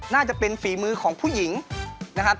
น่าจะเป็นฝีมือของผู้หญิงนะครับ